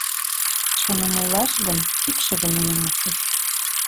Чыным ойлаш гын, икшыве нуным ушыш.